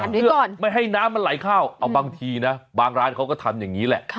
อันนี้ก่อนไม่ให้น้ำมันไหลเข้าเอาบางทีนะบางร้านเขาก็ทำอย่างนี้แหละ